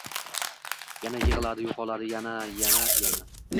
yana yig‘iladi, yo‘qoladi... va yana, va yana.